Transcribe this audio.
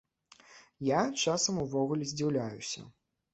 Я часам увогуле здзіўляюся.